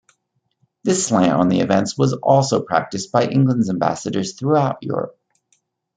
This slant on the events was also practiced by England's ambassadors throughout Europe.